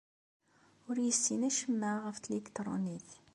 Ur yessin acemma ɣef tliktṛunit.